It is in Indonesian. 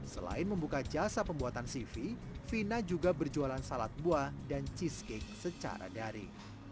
selain membuka jasa pembuatan cv vina juga berjualan salad buah dan cheesecake secara dari